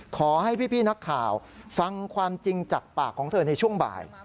ขอให้พี่นักข่าวฟังความจริงจากปากของเธอในช่วงบ่าย